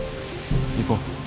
行こう。